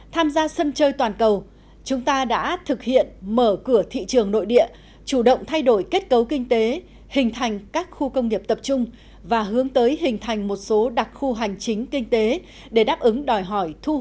tham gia sân chơi toàn cầu chúng ta đã thực hiện mở cửa thị trường nội địa chủ động thay đổi kết cấu kinh tế hình thành các khu công nghiệp tập trung và hướng tới hình thành một số đặc khu hành trình